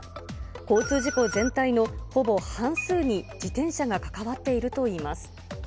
交通事故全体のほぼ半数に自転車が関わっているといいます。